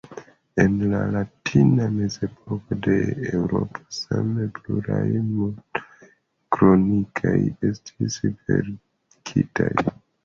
En la latina mezepoko de Eŭropo same pluraj mondaj kronikoj estis verkitaj.